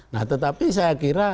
nah tetapi saya kira